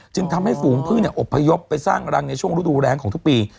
จึงทำให้ฝูงพึ่งอบพยพไปสร้างรังในช่วงฤดูแรงของทุกปี